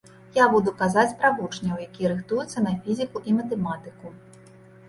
Я буду казаць пра вучняў, якія рыхтуюцца на фізіку і матэматыку.